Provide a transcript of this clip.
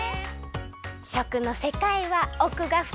しょくのせかいはおくがふかい。